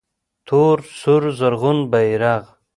تور سور زرغون بیرغ